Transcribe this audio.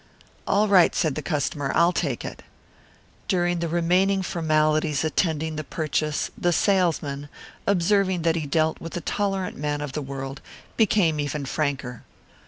"All right," said the customer. "I'll take it." During the remaining formalities attending the purchase the salesman, observing that he dealt with a tolerant man of the world, became even franker.